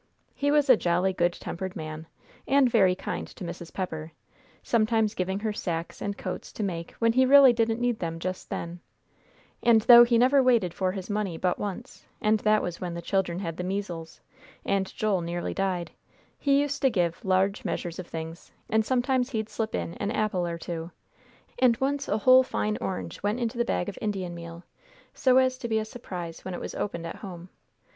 He was a jolly good tempered man, and very kind to Mrs. Pepper, sometimes giving her sacks and coats to make when he really didn't need them just then; and though he never waited for his money but once, and that was when the children had the measles, and Joel nearly died, he used to give large measures of things, and sometimes he'd slip in an apple or two, and once a whole fine orange went into the bag of Indian meal, so as to be a surprise when it was opened at home.